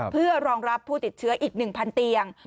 เพื่อรองรับผู้ติดเชื้ออีก๑๐๐เตียง